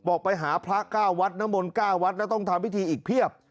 บอกไปหาพระ๙วัดน้ำมนต์๙วัดแล้วต้องทำพิธีอีกเพียบ